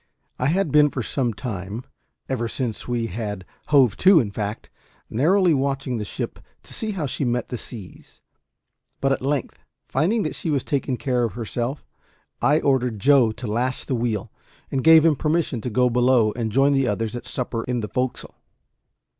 I had been for some time ever since we had hove to, in fact narrowly watching the ship to see how she met the seas; but at length, finding that she was taking care of herself, I ordered Joe to lash the wheel, and gave him permission to go below and join the others at supper in the forecastle.